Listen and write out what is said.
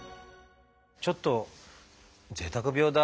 ちょっとぜいたく病だ」。